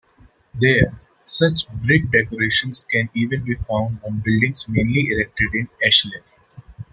There, such brick decorations can even be found on buildings mainly erected in ashlar.